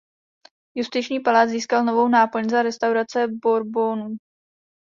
Justiční palác získal novou náplň za Restaurace Bourbonů.